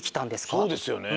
そうですよね。